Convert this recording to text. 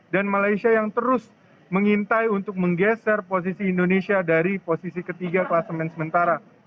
dan malaysia yang terus mengintai untuk menggeser posisi indonesia dari posisi ketiga klasemen sementara